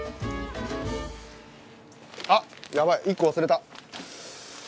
あっやばい１個忘れた。